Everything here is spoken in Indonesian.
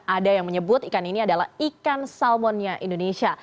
ada yang menyebut ikan ini adalah ikan salmonnya indonesia